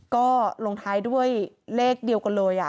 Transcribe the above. ก็ลงท้ายด้วยเลขเดียวกันเลย